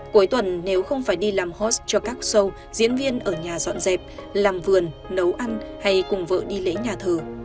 cuối tuần nếu không phải đi làm host cho các show diễn viên ở nhà dọn dẹp làm vườn nấu ăn hay cùng vợ đi lấy nhà thờ